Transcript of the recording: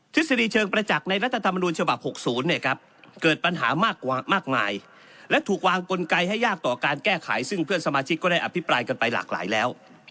ฤษฎีเชิงประจักษ์ในรัฐธรรมนูญฉบับ๖๐เนี่ยครับเกิดปัญหามากมายและถูกวางกลไกให้ยากต่อการแก้ไขซึ่งเพื่อนสมาชิกก็ได้อภิปรายกันไปหลากหลายแล้ว